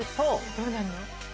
どうなるの？